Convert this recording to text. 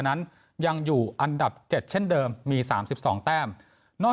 นั้นยังอยู่อันดับเจ็ดเช่นเดิมมีสามสิบสองแต้มนอก